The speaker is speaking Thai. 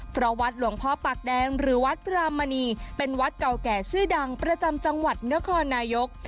เพราะวัดหลวงพ่อปากแดงหรือวัดพรามณีเป็นวัดเก่าแก่ชื่อดังประจำจังหวัดนครนายก